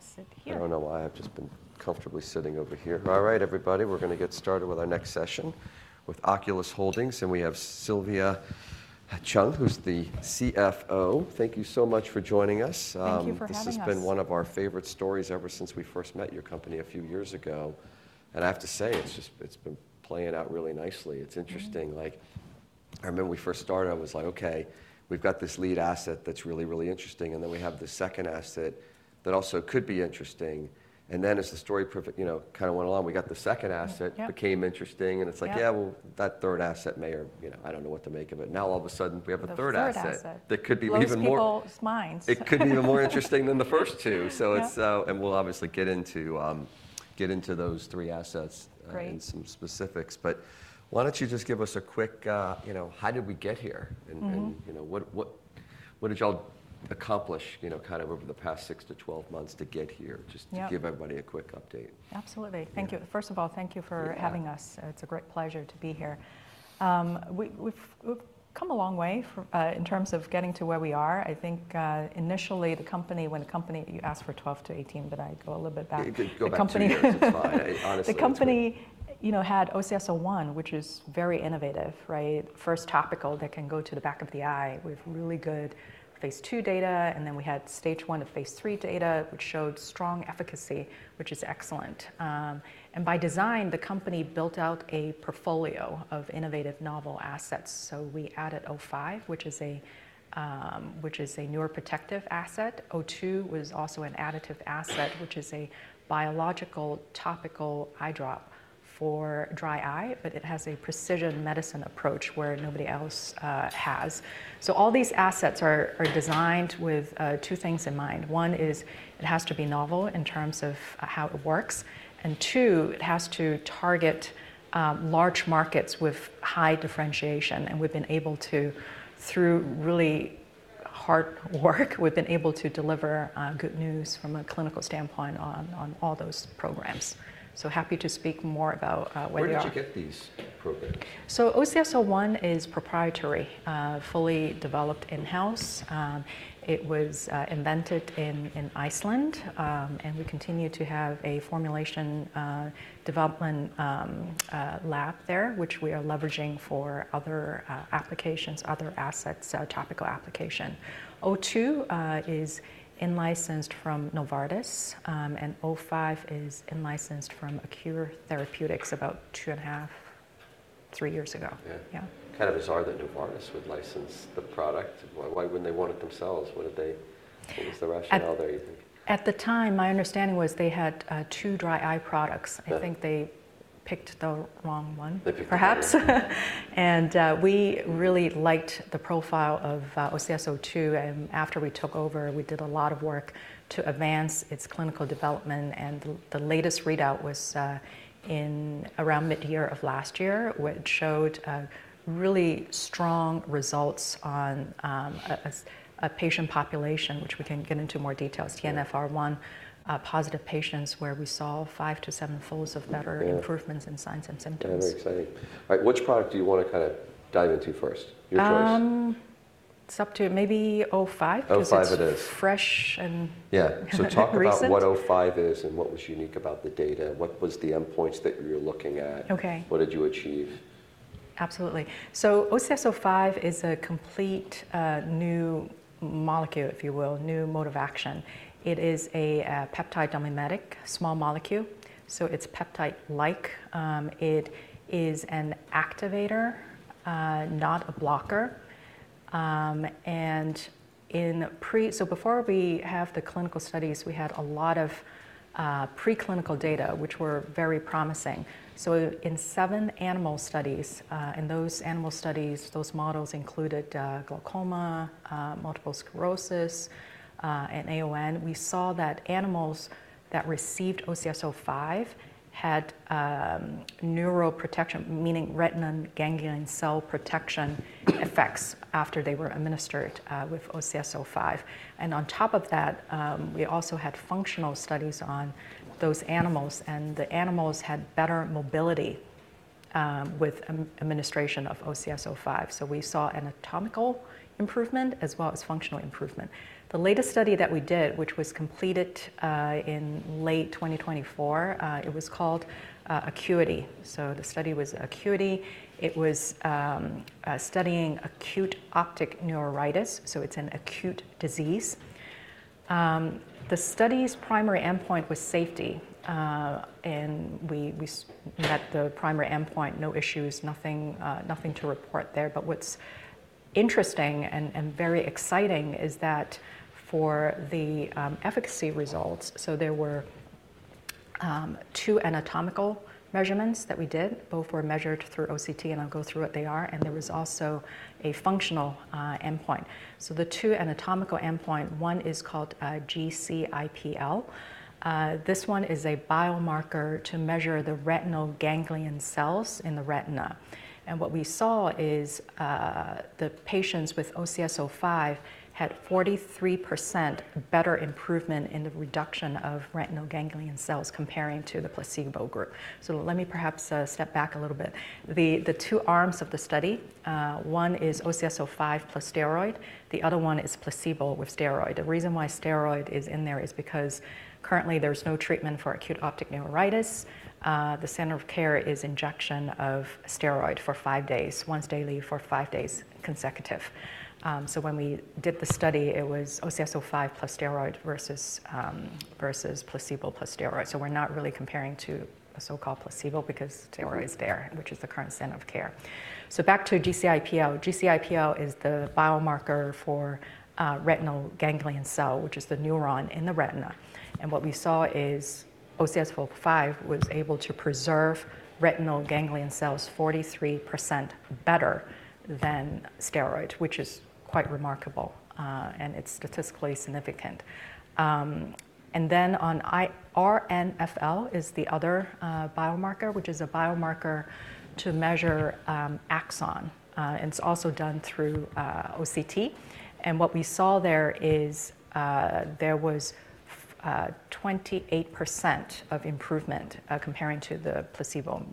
I'll sit here. I don't know why I've just been comfortably sitting over here. All right, everybody, we're going to get started with our next session with Oculis Holdings, and we have Sylvia Cheung, who's the CFO. Thank you so much for joining us. Thank you for having us. This has been one of our favorite stories ever since we first met your company a few years ago. I have to say, it's just been playing out really nicely. It's interesting. I remember when we first started, I was like, okay, we've got this lead asset that's really, really interesting. Then we have the second asset that also could be interesting. As the story kind of went along, we got the second asset, became interesting. It's like, yeah, that third asset may or may not, I don't know what to make of it. Now, all of a sudden, we have a third asset that could be even more. Well it's people's minds. It could be even more interesting than the first two. We'll obviously get into those three assets and some specifics. Why don't you just give us a quick, how did we get here? What did you all accomplish over the past 6-12 months to get here? Just to give everybody a quick update. Absolutely. Thank you. First of all, thank you for having us. It's a great pleasure to be here. We've come a long way in terms of getting to where we are. I think initially, the company, when the company you asked for 12-18, but I go a little bit back. You can go back. The company. It's fine. The company had OCS-01, which is very innovative, right? First topical that can go to the back of the eye. We have really good phase II data. Then we had stage one of phase III data, which showed strong efficacy, which is excellent. By design, the company built out a portfolio of innovative novel assets. We added OCS-05, which is a neuroprotective asset. OCS-02 was also an additive asset, which is a biological topical eye drop for dry eye, but it has a precision medicine approach where nobody else has. All these assets are designed with two things in mind. One is it has to be novel in terms of how it works. Two, it has to target large markets with high differentiation. We have been able to, through really hard work, deliver good news from a clinical standpoint on all those programs. Happy to speak more about whether you all. Where did you get these programs? OCS-01 is proprietary, fully developed in-house. It was invented in Iceland. We continue to have a formulation development lab there, which we are leveraging for other applications, other assets, topical application. OCS-02 is in-licensed from Novartis. OCS-05 is in-licensed from Accure Therapeutics about 2.5, 3 years ago. Yeah. Kind of bizarre that Novartis would license the product. Why wouldn't they want it themselves? What is the rationale there, do you think? At the time, my understanding was they had two dry eye products. I think they picked the wrong one, perhaps. We really liked the profile of OCS-02. After we took over, we did a lot of work to advance its clinical development. The latest readout was around mid-year of last year, which showed really strong results on a patient population, which we can get into more details, TNFR1 positive patients, where we saw 5-7 fold improvements in signs and symptoms. Very exciting. All right, which product do you want to kind of dive into first? Your choice. It's up to maybe OCS-05. OCS-05 it is. Because it's fresh. Yeah. So talk about what OCS-05 is and what was unique about the data. What was the end points that you're looking at? What did you achieve? Absolutely. OCS-05 is a complete new molecule, if you will, new mode of action. It is a peptide mimetic small molecule. It is peptide-like. It is an activator, not a blocker. Before we have the clinical studies, we had a lot of preclinical data, which were very promising. In seven animal studies, and those animal studies, those models included glaucoma, multiple sclerosis, and AON, we saw that animals that received OCS-05 had neuroprotection, meaning retinal ganglion cell protection effects after they were administered with OCS-05. On top of that, we also had functional studies on those animals. The animals had better mobility with administration of OCS-05. We saw anatomical improvement as well as functional improvement. The latest study that we did, which was completed in late 2024, was called ACUITY. The study was ACUITY. It was studying acute optic neuritis. It's an acute disease. The study's primary endpoint was safety. We met the primary endpoint, no issues, nothing to report there. What's interesting and very exciting is that for the efficacy results, there were two anatomical measurements that we did. Both were measured through OCT, and I'll go through what they are. There was also a functional endpoint. The two anatomical endpoints, one is called GCIPL. This one is a biomarker to measure the retinal ganglion cells in the retina. What we saw is the patients with OCS-05 had 43% better improvement in the reduction of retinal ganglion cells compared to the placebo group. Let me perhaps step back a little bit. The two arms of the study, one is OCS-05 plus steroid. The other one is placebo with steroid. The reason why steroid is in there is because currently there's no treatment for acute optic neuritis. The standard of care is injection of steroid for five days, once daily for five consecutive days. When we did the study, it was OCS-05 plus steroid versus placebo plus steroid. We're not really comparing to a so-called placebo because steroid is there, which is the current standard of care. Back to GCIPL. GCIPL is the biomarker for retinal ganglion cell, which is the neuron in the retina. What we saw is OCS-05 was able to preserve retinal ganglion cells 43% better than steroid, which is quite remarkable. It's statistically significant. On RNFL, the other biomarker, which is a biomarker to measure axon, it's also done through OCT. What we saw there is there was 28% of improvement comparing to the placebo.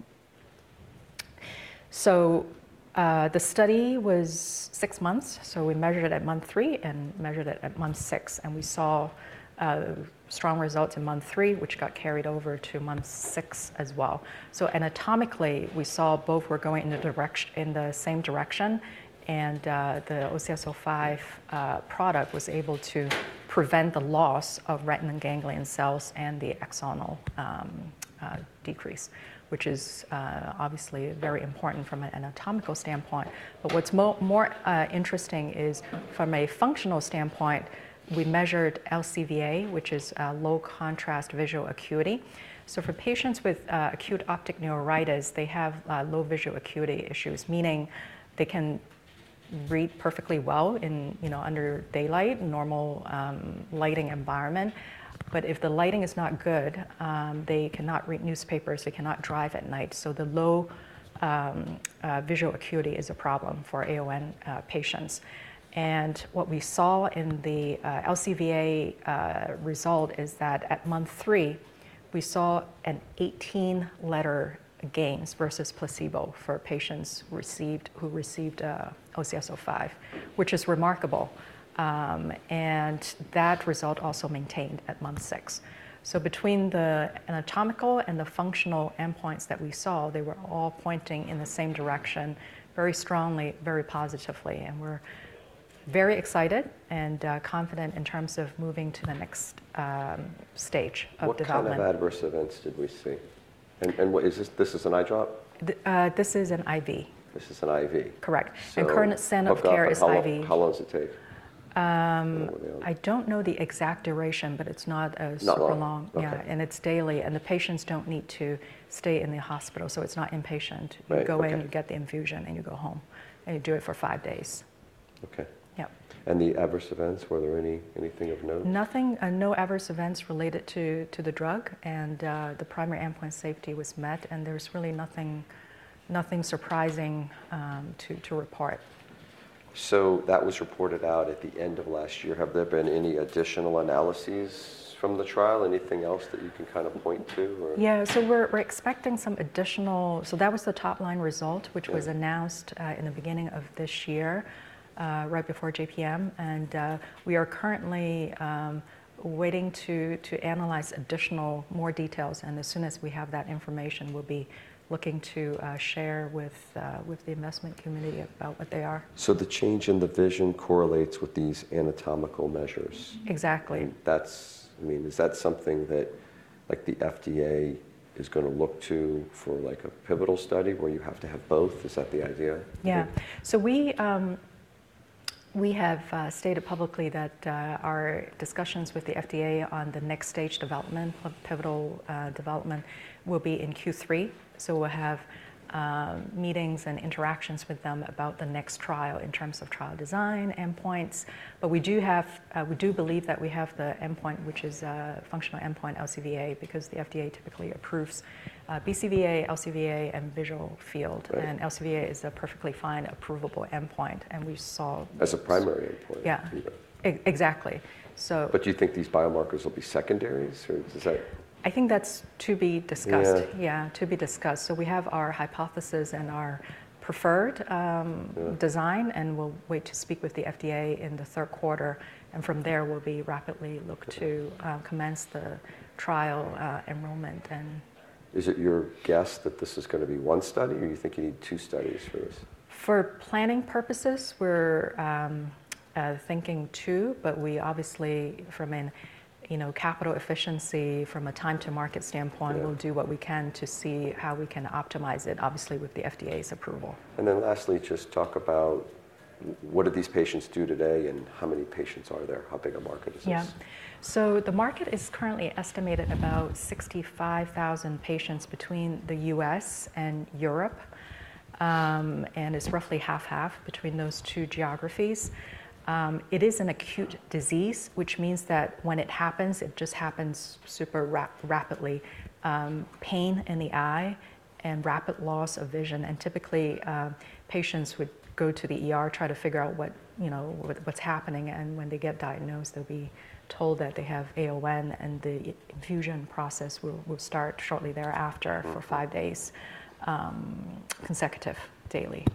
The study was six months. We measured it at month three and measured it at month six. We saw strong results in month three, which got carried over to month six as well. Anatomically, we saw both were going in the same direction. The OCS-05 product was able to prevent the loss of retinal ganglion cells and the axonal decrease, which is obviously very important from an anatomical standpoint. What is more interesting is from a functional standpoint, we measured LCVA, which is low contrast visual acuity. For patients with acute optic neuritis, they have low visual acuity issues, meaning they can read perfectly well under daylight, normal lighting environment. If the lighting is not good, they cannot read newspapers. They cannot drive at night. The low visual acuity is a problem for AON patients. What we saw in the LCVA result is that at month three, we saw an 18-letter gain versus placebo for patients who received OCS-05, which is remarkable. That result also maintained at month six. Between the anatomical and the functional endpoints that we saw, they were all pointing in the same direction, very strongly, very positively. We are very excited and confident in terms of moving to the next stage of development. What kind of adverse events did we see? This is an eye drop? This is an IV. This is an IV. Correct. The current standard of care is IV. How long does it take? I don't know the exact duration, but it's not super long. Not long. Yeah. It is daily. The patients do not need to stay in the hospital. It is not inpatient. You go in, you get the infusion, and you go home. You do it for five days. Okay. Yep. Were there anything of note regarding the adverse events? Nothing. No adverse events related to the drug. The primary endpoint safety was met. There is really nothing surprising to report. That was reported out at the end of last year. Have there been any additional analyses from the trial? Anything else that you can kind of point to? Yeah. We are expecting some additional. That was the top-line result, which was announced in the beginning of this year, right before JPM. We are currently waiting to analyze additional more details. As soon as we have that information, we'll be looking to share with the investment community about what they are. The change in the vision correlates with these anatomical measures. Exactly. I mean, is that something that the FDA is going to look to for a pivotal study where you have to have both? Is that the idea? Yeah. We have stated publicly that our discussions with the FDA on the next stage development of pivotal development will be in Q3. We will have meetings and interactions with them about the next trial in terms of trial design endpoints. We do believe that we have the endpoint, which is a functional endpoint, LCVA, because the FDA typically approves BCVA, LCVA, and visual field. LCVA is a perfectly fine, approvable endpoint. We saw. As a primary endpoint. Yeah. Exactly. Do you think these biomarkers will be secondaries? Or is that. I think that's to be discussed. Yeah, to be discussed. We have our hypothesis and our preferred design. We'll wait to speak with the FDA in the third quarter. From there, we'll be rapidly looking to commence the trial enrollment. Is it your guess that this is going to be one study? Or do you think you need two studies for this? For planning purposes, we're thinking two. We obviously, from a capital efficiency, from a time-to-market standpoint, will do what we can to see how we can optimize it, obviously, with the FDA's approval. Lastly, just talk about what do these patients do today and how many patients are there? How big a market is this? Yeah. The market is currently estimated at about 65,000 patients between the U.S. and Europe. It's roughly half-half between those two geographies. It is an acute disease, which means that when it happens, it just happens super rapidly. Pain in the eye and rapid loss of vision. Typically, patients would go to try to figure out what's happening. When they get diagnosed, they'll be told that they have AON. The infusion process will start shortly thereafter for five days consecutive, daily.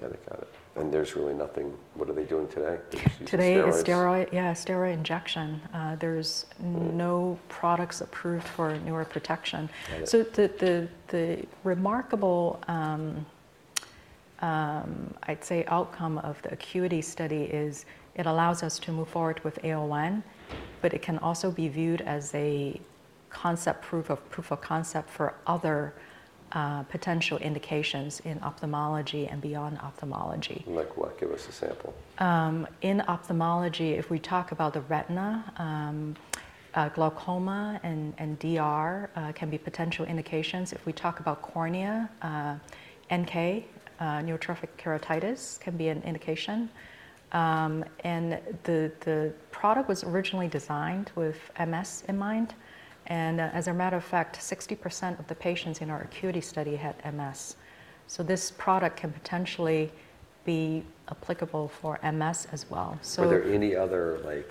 Yeah, they've got it. There's really nothing. What are they doing today? Today is steroid. Yeah, steroid injection. There are no products approved for neuroprotection. The remarkable, I'd say, outcome of the ACUITY study is it allows us to move forward with AON. It can also be viewed as a proof of concept for other potential indications in ophthalmology and beyond ophthalmology. Like what? Give us a sample. In ophthalmology, if we talk about the retina, glaucoma and DR can be potential indications. If we talk about cornea, NK, neurotrophic keratitis can be an indication. The product was originally designed with MS in mind. As a matter of fact, 60% of the patients in our ACUITY study had MS. This product can potentially be applicable for MS as well. Are there any other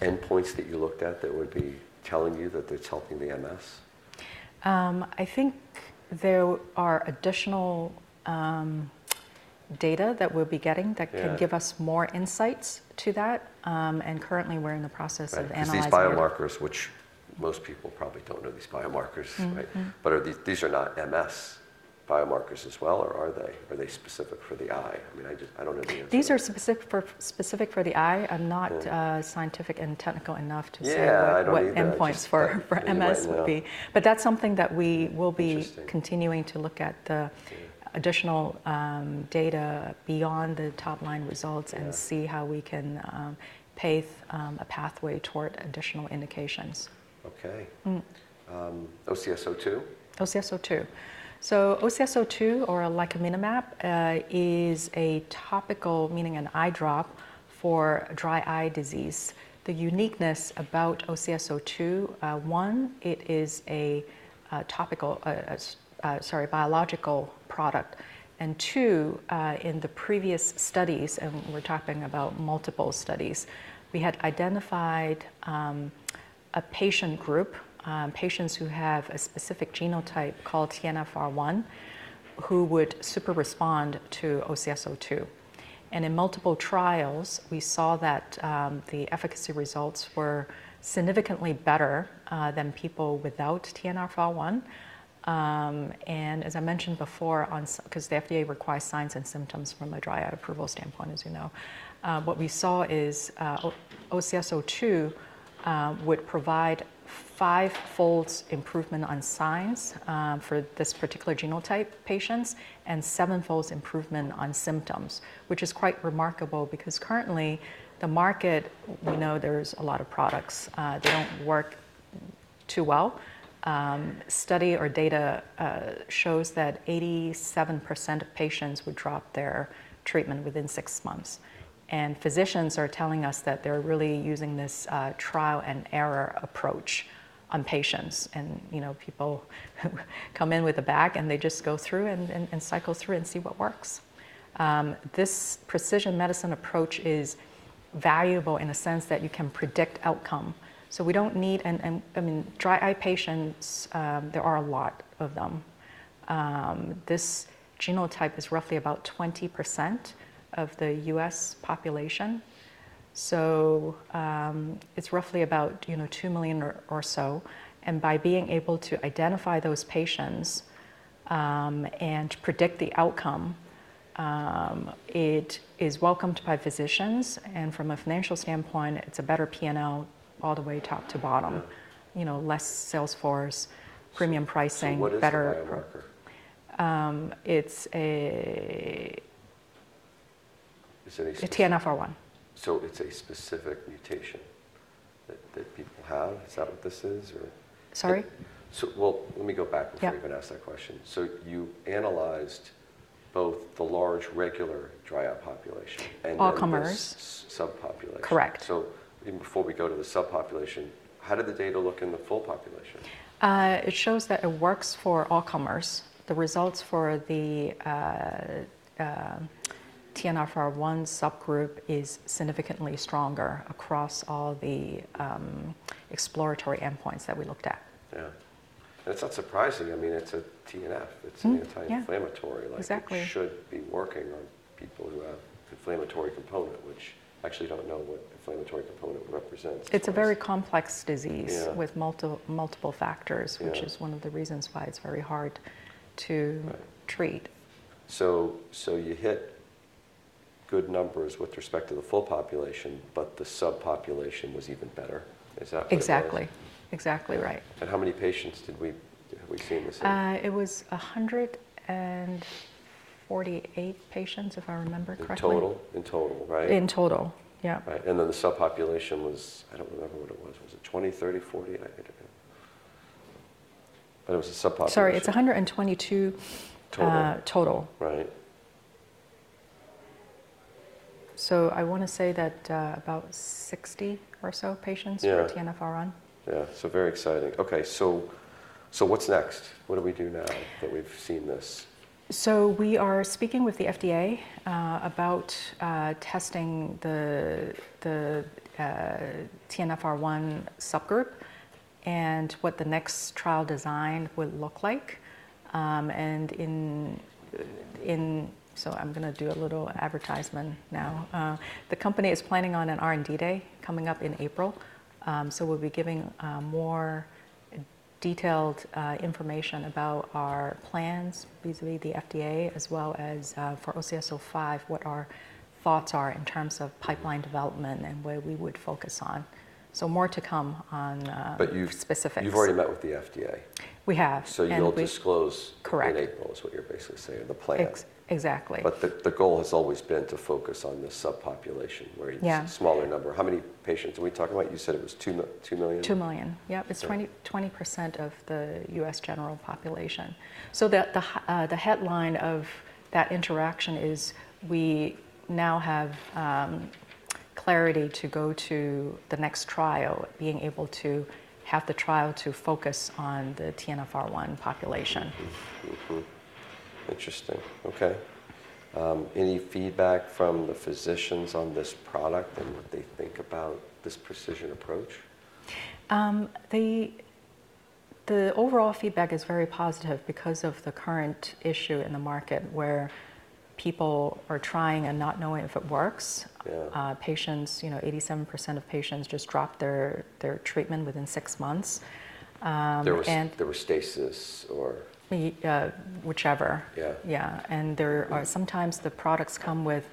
endpoints that you looked at that would be telling you that it's helping the MS? I think there are additional data that we'll be getting that can give us more insights to that. Currently, we're in the process of analyzing. These biomarkers, which most people probably do not know these biomarkers, right? But these are not MS biomarkers as well? Or are they? Are they specific for the eye? I mean, I do not know the answer. These are specific for the eye. I'm not scientific and technical enough to say what endpoints for MS will be. That is something that we will be continuing to look at, the additional data beyond the top-line results, and see how we can pave a pathway toward additional indications. Okay. OCS-02? OCS-02. OCS-02, or Licaminlimab, is a topical, meaning an eye drop for dry eye disease. The uniqueness about OCS-02, one, it is a topical, sorry, biological product. Two, in the previous studies, and we're talking about multiple studies, we had identified a patient group, patients who have a specific genotype called TNFR1, who would super respond to OCS-02. In multiple trials, we saw that the efficacy results were significantly better than people without TNFR1. As I mentioned before, because the FDA requires signs and symptoms from a dry eye approval standpoint, as you know, what we saw is OCS-02 would provide five-fold improvement on signs for this particular genotype patients and seven-fold improvement on symptoms, which is quite remarkable because currently, the market, we know there's a lot of products. They don't work too well. Study or data shows that 87% of patients would drop their treatment within six months. Physicians are telling us that they're really using this trial and error approach on patients. People come in with a bag, and they just go through and cycle through and see what works. This precision medicine approach is valuable in a sense that you can predict outcome. We don't need, I mean, dry eye patients, there are a lot of them. This genotype is roughly about 20% of the U.S. population. It's roughly about 2 million or so. By being able to identify those patients and predict the outcome, it is welcomed by physicians. From a financial standpoint, it's a better P&L all the way top to bottom, less salesforce, premium pricing, better. What is that marker? It's a. Is it a? TNFR1. It's a specific mutation that people have? Is that what this is, or? Sorry? Let me go back before you even ask that question. You analyzed both the large regular dry eye population and. All comers. The subpopulation. Correct. Even before we go to the subpopulation, how did the data look in the full population? It shows that it works for all comers. The results for the TNFR1 subgroup is significantly stronger across all the exploratory endpoints that we looked at. Yeah. That's not surprising. I mean, it's a TNF. It's an anti-inflammatory. Exactly. Like it should be working on people who have an inflammatory component, which I actually don't know what inflammatory component represents. It's a very complex disease with multiple factors, which is one of the reasons why it's very hard to treat. You hit good numbers with respect to the full population, but the subpopulation was even better. Is that right? Exactly. Exactly right. How many patients did we have we seen this in? It was 148 patients, if I remember correctly. In total, right? In total, yeah. Right. The subpopulation was, I do not remember what it was. Was it 20, 30, 40? I do not know. It was a subpopulation. Sorry, it's 122. Total. Right. I want to say that about 60 or so patients were TNFR1. Yeah. Yeah. Very exciting. Okay. What's next? What do we do now that we've seen this? We are speaking with the FDA about testing the TNFR1 subgroup and what the next trial design would look like. I am going to do a little advertisement now. The company is planning on an R&D day coming up in April. We will be giving more detailed information about our plans vis-à-vis the FDA, as well as for OCS-05, what our thoughts are in terms of pipeline development and where we would focus on. More to come on specifics. You have already met with the FDA. We have. You'll disclose. Correct. In April is what you're basically saying, the plan. Exactly. The goal has always been to focus on the subpopulation where it's a smaller number. How many patients are we talking about? You said it was 2 million. 2 million. Yep. It's 20% of the U.S. general population. The headline of that interaction is we now have clarity to go to the next trial, being able to have the trial to focus on the TNFR1 population. Interesting. Okay. Any feedback from the physicians on this product and what they think about this precision approach? The overall feedback is very positive because of the current issue in the market where people are trying and not knowing if it works. Patients, 87% of patients just dropped their treatment within six months. There was Restasis or. Whichever. Yeah. Yeah. Sometimes the products come with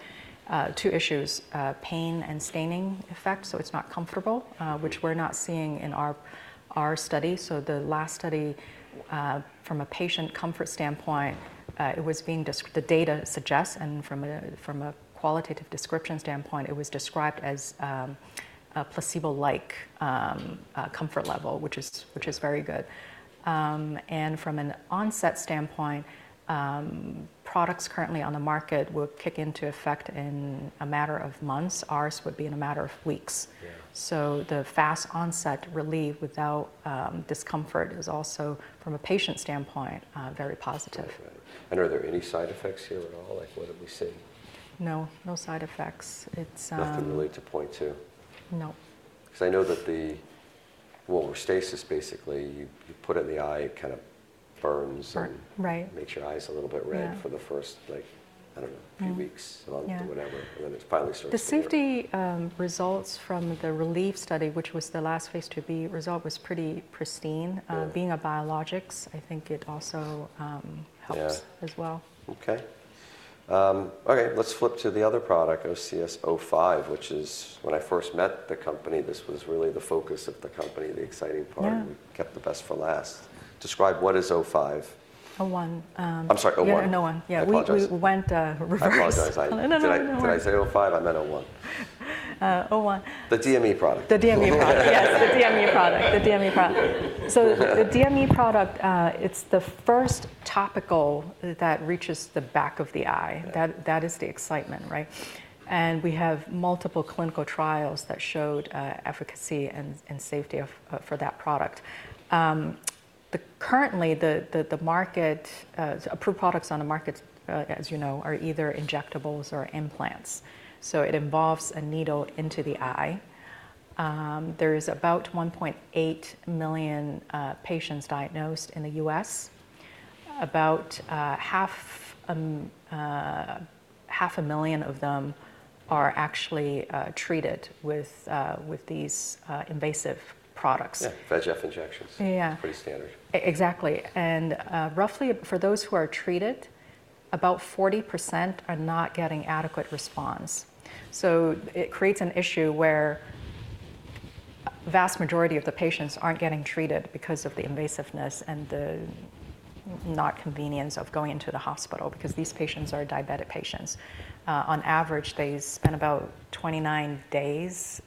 two issues, pain and staining effect. It is not comfortable, which we are not seeing in our study. The last study, from a patient comfort standpoint, it was being, the data suggesting from a qualitative description standpoint, it was described as a placebo-like comfort level, which is very good. From an onset standpoint, products currently on the market will kick into effect in a matter of months. Ours would be in a matter of weeks. The fast onset relief without discomfort is also, from a patient standpoint, very positive. Are there any side effects here at all? Like what did we see? No. No side effects. Nothing related to point two? No. Because I know that the, well, Restasis basically, you put it in the eye, it kind of burns and makes your eyes a little bit red for the first, I don't know, few weeks or whatever. Then it's finally starting to. The safety results from the RELIEF study, which was the last phase to be resolved, was pretty pristine. Being a biologic, I think it also helps as well. Okay. Okay. Let's flip to the other product, OCS-05, which is when I first met the company, this was really the focus of the company, the exciting part. We kept the best for last. Describe what is O5. OCS-01. I'm sorry, OCS-01? Yeah, OCS-01. I apologize. We went reverse. I apologize. Did I say OCS-05? I meant OCS-01. OCS-01. The DME product. The DME product. Yes, the DME product. The DME product. The DME product, it's the first topical that reaches the back of the eye. That is the excitement, right? We have multiple clinical trials that showed efficacy and safety for that product. Currently, the approved products on the market, as you know, are either injectables or implants. It involves a needle into the eye. There are about 1.8 million patients diagnosed in the U.S. About 500,000 of them are actually treated with these invasive products. Yeah. VEGF injections. Pretty standard. Exactly. And roughly, for those who are treated, about 40% are not getting adequate response. It creates an issue where the vast majority of the patients aren't getting treated because of the invasiveness and the not convenience of going into the hospital because these patients are diabetic patients. On average, they spend about 29 days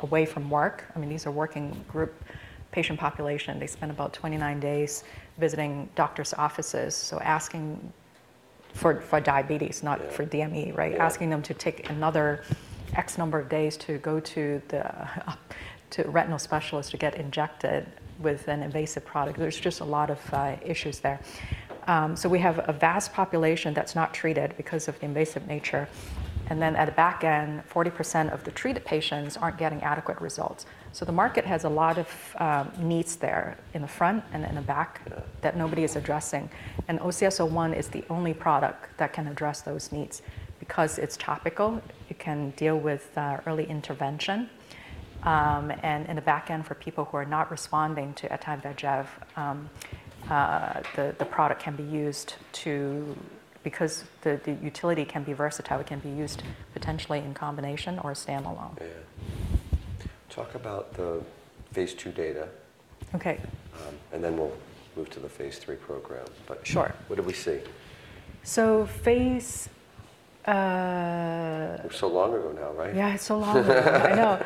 away from work. I mean, these are working group patient population. They spend about 29 days visiting doctors' offices. Asking for diabetes, not for DME, right? Asking them to take another X number of days to go to the retinal specialist to get injected with an invasive product. There's just a lot of issues there. We have a vast population that's not treated because of the invasive nature. At the back end, 40% of the treated patients aren't getting adequate results. The market has a lot of needs there in the front and in the back that nobody is addressing. OCS-01 is the only product that can address those needs because it's topical. It can deal with early intervention. In the back end, for people who are not responding to anti-VEGF, the product can be used too because the utility can be versatile. It can be used potentially in combination or standalone. Yeah. Talk about the phase II data. Okay. We will move to the phase III program. What did we see? So phase. It was so long ago now, right? Yeah, it's so long ago. I know.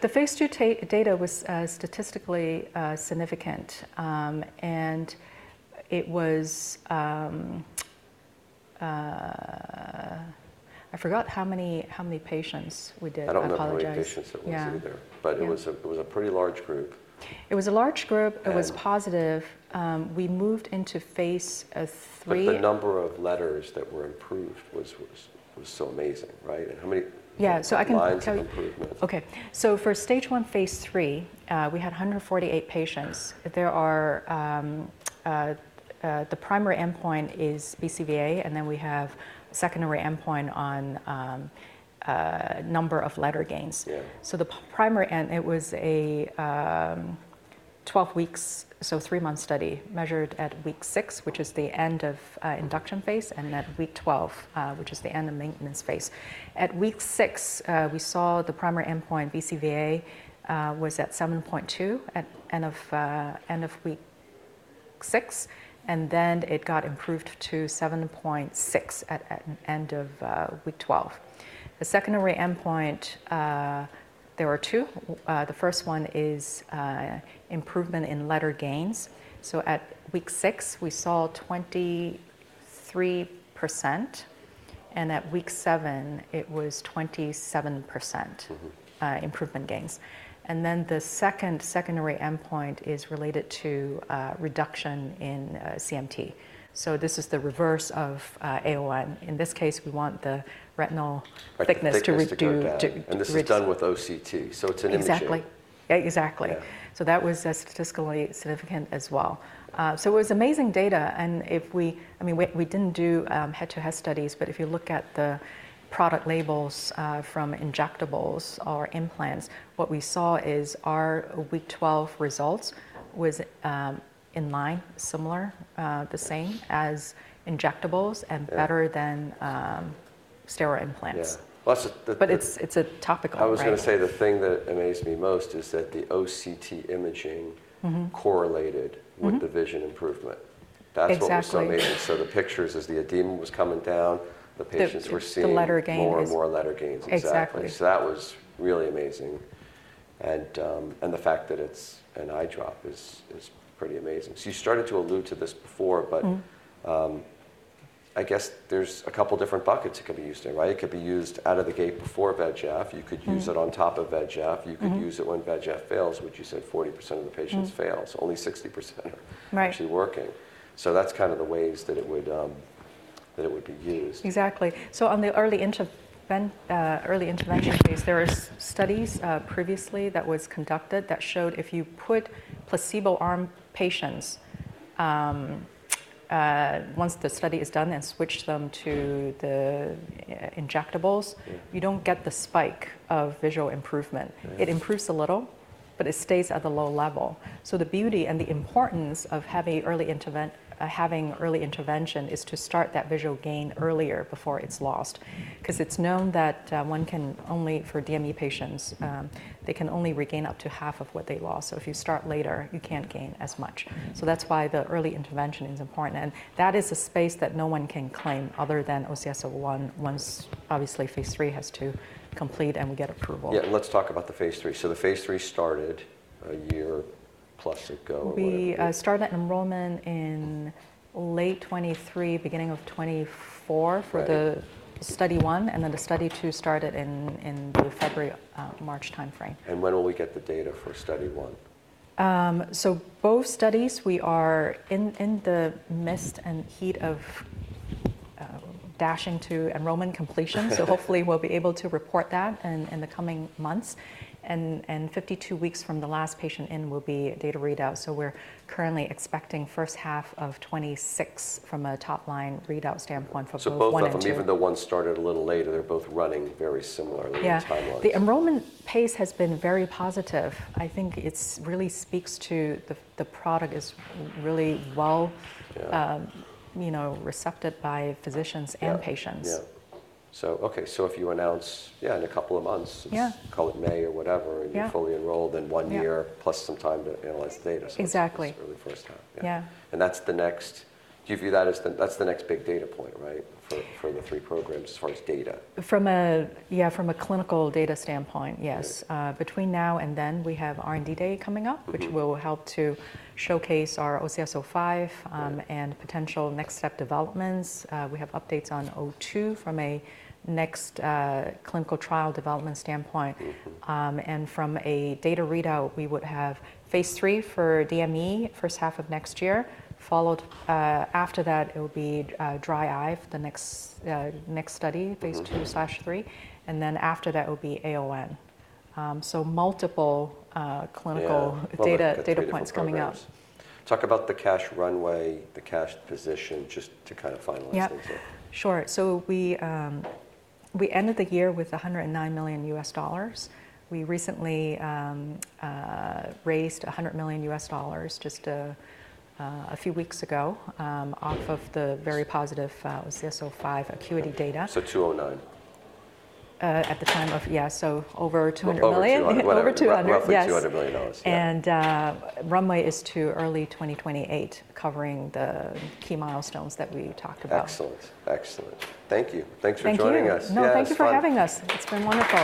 The phase II data was statistically significant. And it was I forgot how many patients we did. I apologize. I don't know how many patients it was either. It was a pretty large group. It was a large group. It was positive. We moved into phase III. The number of letters that were improved was so amazing, right? And how many lines of improvement? Okay. For stage one, phase III, we had 148 patients. The primary endpoint is BCVA, and then we have a secondary endpoint on number of letter gains. The primary end, it was a 12 weeks, so three months study measured at week six, which is the end of induction phase, and at week 12, which is the end of maintenance phase. At week six, we saw the primary endpoint BCVA was at 7.2 at end of week six. It got improved to 7.6 at end of week 12. The secondary endpoint, there are two. The first one is improvement in letter gains. At week six, we saw 23%. At week seven, it was 27% improvement gains. The secondary endpoint is related to reduction in CMT. This is the reverse of AON. In this case, we want the retinal thickness to reduce. This is done with OCT. It is an imaging. Exactly. Yeah, exactly. That was statistically significant as well. It was amazing data. I mean, we did not do head-to-head studies. If you look at the product labels from injectables or implants, what we saw is our week 12 results was in line, similar, the same as injectables and better than steroid implants. Yeah. It's a topical. I was going to say the thing that amazed me most is that the OCT imaging correlated with the vision improvement. That is what was amazing. The pictures as the edema was coming down, the patients were seeing. The letter gains. More and more letter gains. Exactly. That was really amazing. The fact that it's an eye drop is pretty amazing. You started to allude to this before, but I guess there are a couple of different buckets it could be used in, right? It could be used out of the gate before VEGF. You could use it on top of VEGF. You could use it when VEGF fails, which you said 40% of the patients fail. Only 60% are actually working. That is kind of the ways that it would be used. Exactly. On the early intervention phase, there were studies previously that were conducted that showed if you put placebo-armed patients, once the study is done and switched them to the injectables, you do not get the spike of visual improvement. It improves a little, but it stays at the low level. The beauty and the importance of having early intervention is to start that visual gain earlier before it is lost. Because it is known that one can only, for DME patients, they can only regain up to half of what they lost. If you start later, you cannot gain as much. That is why the early intervention is important. That is a space that no one can claim other than OCS-01 once, obviously, phase III has to complete and we get approval. Yeah. Let's talk about the phase III. The phase III started a year plus ago. We started enrollment in late 2023, beginning of 2024 for the study one. The study two started in the February-March timeframe. When will we get the data for study one? Both studies, we are in the midst and heat of dashing to enrollment completion. Hopefully, we'll be able to report that in the coming months. 52 weeks from the last patient in will be data readout. We're currently expecting first half of 2026 from a top-line readout standpoint for both one and two. Both of them, even though one started a little later, they're both running very similarly in timeline. Yeah. The enrollment pace has been very positive. I think it really speaks to the product is really well receptive by physicians and patients. Yeah. Okay. So if you announce, yeah, in a couple of months, call it May or whatever, and you're fully enrolled, then one year plus some time to analyze the data. Exactly. That's early first half. Yeah. That's the next, do you view that as, that's the next big data point, right, for the three programs as far as data? Yeah, from a clinical data standpoint, yes. Between now and then, we have R&D day coming up, which will help to showcase our OCS-05 and potential next step developments. We have updates on OCS-02 from a next clinical trial development standpoint. From a data readout, we would have phase III for DME first half of next year. Followed after that, it will be dry eye for the next study, phase II/III. After that, it will be AON. Multiple clinical data points coming up. Talk about the cash runway, the cash position, just to kind of finalize things here. Yeah. Sure. We ended the year with $109 million U.S. dollars. We recently raised $100 million U.S. dollars just a few weeks ago off of the very positive OCS-05 ACUITY data. So 209. At the time of, yeah, so over $200 million. Over $200 million. Over $200 million. Over $200 million. Yeah. Runway is to early 2028, covering the key milestones that we talked about. Excellent. Excellent. Thank you. Thanks for joining us. Thank you. No, thank you for having us. It's been wonderful.